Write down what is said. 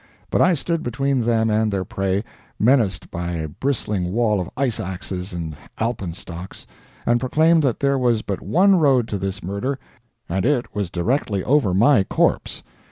But I stood between them and their prey, menaced by a bristling wall of ice axes and alpenstocks, and proclaimed that there was but one road to this murder, and it was directly over my corpse.